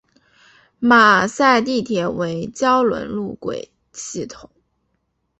马赛地铁为胶轮路轨系统。